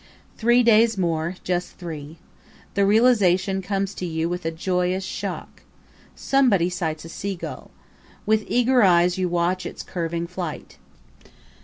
Three days more just three. The realization comes to you with a joyous shock. Somebody sights a sea gull. With eager eyes you watch its curving flight.